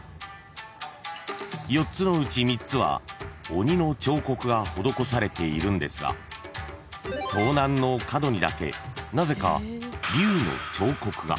［４つのうち３つは鬼の彫刻が施されているんですが東南の角にだけなぜか龍の彫刻が］